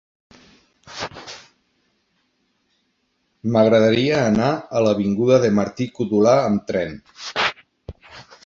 M'agradaria anar a l'avinguda de Martí-Codolar amb tren.